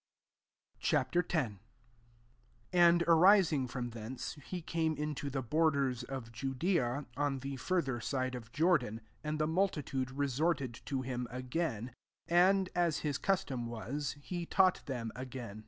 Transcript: Ch. X. 1 And, arising from thence, he came into the bor ders of Judea, on the further side of Jordan ;% and the mul titude resorted to him again: and, as his custom was, he taught them again.